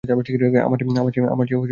আমার চেয়েও দক্ষ ও।